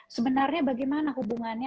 sebenarnya bagaimana hubungannya